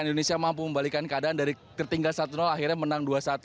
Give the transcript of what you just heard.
indonesia mampu membalikan keadaan dari tertinggal satu akhirnya menang dua satu